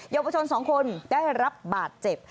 เยาวชน๒คนได้รับบาดเจ็บ